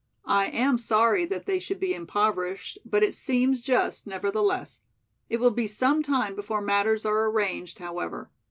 I am sorry that they should be impoverished, but it seems just, nevertheless. It will be some time before matters are arranged, however.